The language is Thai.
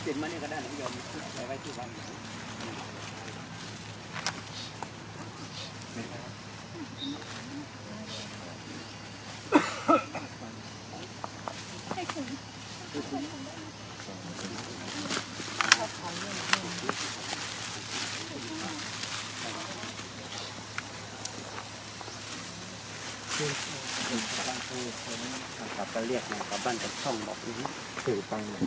สวัสดีครับทุกคน